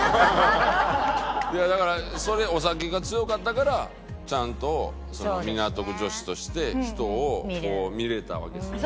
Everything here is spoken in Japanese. だからそれお酒が強かったからちゃんと港区女子として人を見れたわけですよね。